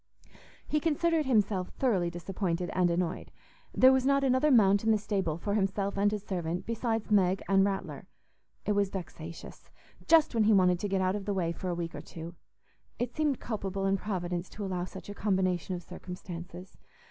He considered himself thoroughly disappointed and annoyed. There was not another mount in the stable for himself and his servant besides Meg and Rattler. It was vexatious; just when he wanted to get out of the way for a week or two. It seemed culpable in Providence to allow such a combination of circumstances.